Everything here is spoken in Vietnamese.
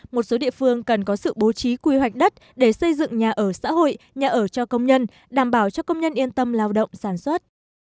một số địa phương cần có sự bố trí quy hoạch đất để xây dựng nhà ở xã hội nhà ở cho công nhân đảm bảo cho công nhân yên tâm lao động sản xuất